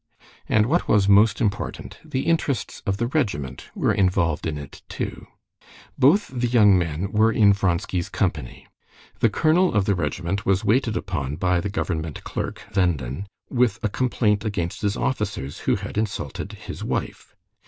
And what was most important, the interests of the regiment were involved in it too. Both the young men were in Vronsky's company. The colonel of the regiment was waited upon by the government clerk, Venden, with a complaint against his officers, who had insulted his wife.